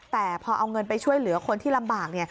แต่พอเอาเงินไปช่วยเหลือคนที่ลำบาก